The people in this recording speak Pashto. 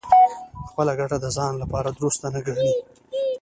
خپله ګټه د ځان لپاره دُرسته نه ګڼي.